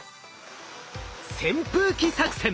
扇風機作戦。